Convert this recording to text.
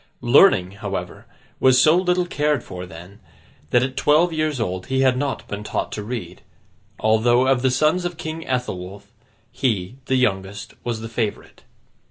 Learning, however, was so little cared for, then, that at twelve years old he had not been taught to read; although, of the sons of King Ethelwulf, he, the youngest, was the favourite.